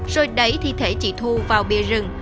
rồi đẩy thi thể chị thu vào bia rừng